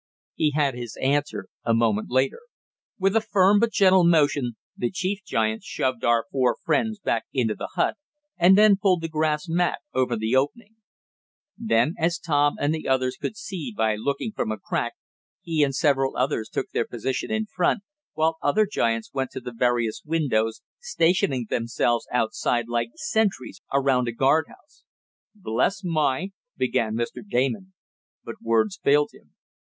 He had his answer a moment later. With a firm but gentle motion the chief giant shoved our four friends back into the hut, and then pulled the grass mat over the opening. Then, as Tom and the others could see by looking from a crack, he and several others took their position in front, while other giants went to the various windows, stationing themselves outside like sentries around a guard house. "Bless my " began Mr. Damon, but words failed him.